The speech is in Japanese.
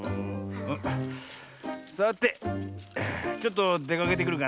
さてちょっとでかけてくるかなあ。